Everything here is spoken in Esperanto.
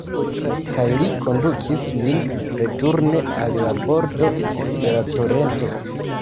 Kaj li kondukis min returne al la bordo de la torento.